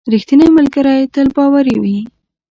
• رښتینی ملګری تل باوري وي.